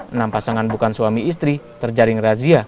enam pasangan bukan suami istri terjaring razia